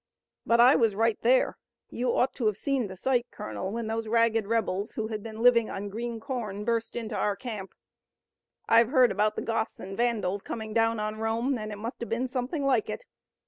But I was right there. You ought to have seen the sight, Colonel, when those ragged rebels who had been living on green corn burst into our camp. I've heard about the Goths and Vandals coming down on Rome and it must have been something like it.